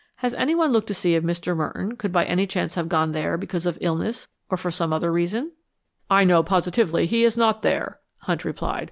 Has anyone looked to see if Mr. Merton could by any chance have gone there because of illness, or for some other reason?" "I know positively he is not there," Hunt replied.